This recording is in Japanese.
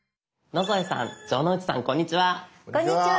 野添さん城之内さんこんにちは。